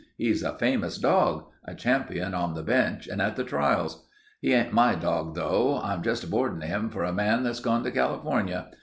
"He's a famous dog, a champion on the bench and at the trials. He ain't my dog, though. I'm just boardin' him for a man that's gone to California.